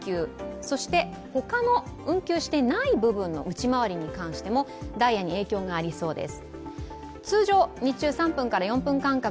そして他の運休していない部分の内回りに関してもダイヤに影響がありそうです。